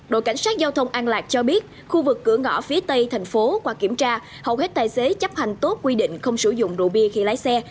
đội cảnh sát giao thông an lạc cho biết khu vực cửa ngõ phía tây thành phố qua kiểm tra hầu hết tài xế chấp hành tốt quy định không sử dụng rượu bia khi lái xe